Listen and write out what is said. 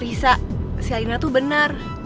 risa si alina itu benar